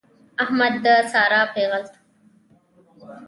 احمد د سارا پېغلتوب واخيست.